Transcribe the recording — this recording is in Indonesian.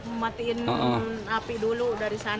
mematiin api dulu dari sana